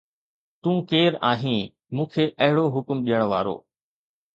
تون ڪير آهين مون کي اهڙو حڪم ڏيڻ وارو؟